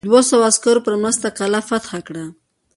د دوه سوه عسکرو په مرسته قلا فتح کړه.